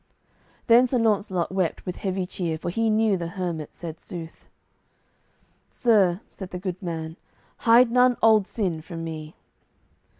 Then Sir Launcelot wept with heavy cheer, for he knew the hermit said sooth. "Sir," said the good man, "hide none old sin from me."